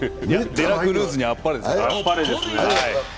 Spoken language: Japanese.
デラクルーズにあっぱれです。